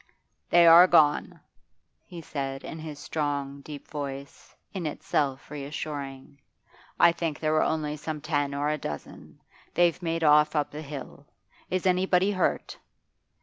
'They are gone,' he said, in his strong, deep voice, in itself reassuring. 'I think there were only some ten or a dozen; they've made off up the hill. Is anybody hurt?